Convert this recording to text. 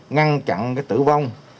ngăn chặn tử vong